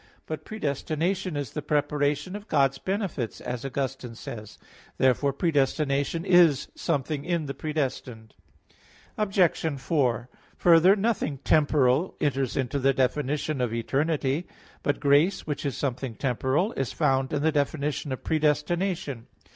But predestination is the preparation of God's benefits, as Augustine says (De Praed. Sanct. ii, 14). Therefore predestination is something in the predestined. Obj. 4: Further, nothing temporal enters into the definition of eternity. But grace, which is something temporal, is found in the definition of predestination.